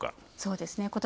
そうですね。